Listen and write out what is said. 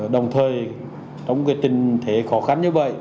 đồng thời trong tình thế khó khăn như vậy